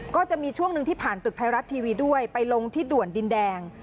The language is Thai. ก็จะมีช่วงหนึ่งที่ผ่านตึกไทยรัฐทีวีด้วยไปลงที่ด่วนดินแดง